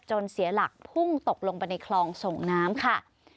เสียหลักพุ่งตกลงไปในคลองส่งน้ำค่ะ